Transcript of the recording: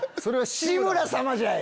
志村様じゃい！